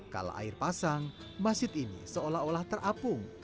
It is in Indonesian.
kalau air pasang masjid ini seolah olah terapung